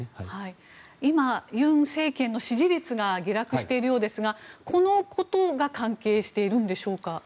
今、尹政権の支持率が下落しているようですがこのことが関係しているんでしょうか。